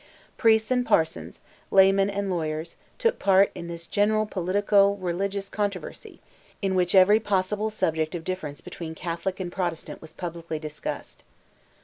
Priests and parsons, laymen and lawyers, took part in this general politico religious controversy, in which every possible subject of difference between Catholic and Protestant was publicly discussed.